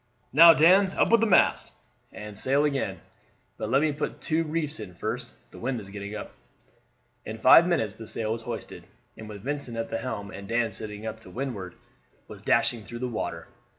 "Now, Dan, up with the mast; and sail again; but let me put two reefs in first, the wind is getting up." In five minutes the sail was hoisted, and with Vincent at the helm and Dan sitting up to windward, was dashing through the water.